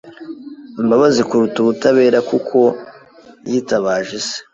imbabazi kuruta ubutabera kuko yitabaje se